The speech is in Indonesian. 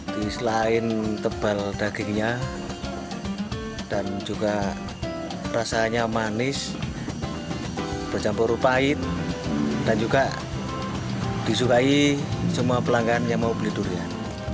di selain tebal dagingnya dan juga rasanya manis bercampur rupahit dan juga disukai semua pelanggan yang mau beli durian